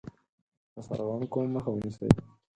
د سرغړونکو مخه ونیسي.